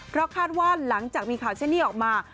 เพราะคาดว่าหลังจากมีข่าวเช่นนี้ออกมา